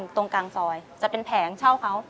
ตรงกลางซอยจะเป็นแผงเช่าเขา